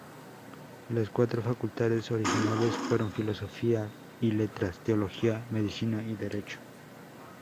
Las cuatro facultades originales fueron Filosofía y Letras, Teología, Medicina y Derecho.